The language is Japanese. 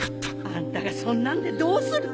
あんたがそんなんでどうする！